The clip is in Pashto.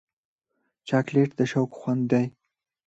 چاکلېټ د شوق خوند دی.